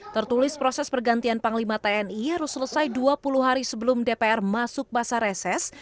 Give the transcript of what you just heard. tertulis proses pergantian panglima tni harus selesai dua puluh hari sebelum dpr masuk masa reses